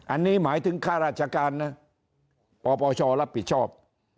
อันนี้หมายถึงค่าราชการนะปปชรับผิดชอบ